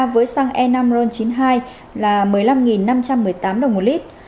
với xăng e năm ron chín mươi hai là một mươi năm năm trăm một mươi tám đồng một lít